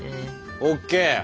ＯＫ。